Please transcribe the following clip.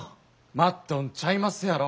マットンちゃいますやろ。